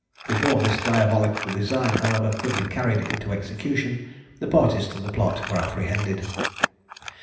Before this diabolical design, however, could be carried into execution, the parties to the plot were apprehended.